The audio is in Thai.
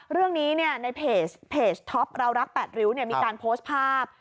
เรื่องนี้ในเพจท็อปเรารัก๘ริ้วมีการโพสต์ภาพ